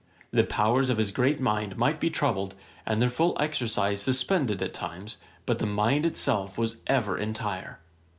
The powers of his great mind might be troubled, and their full exercise suspended at times; but the mind itself was ever entire.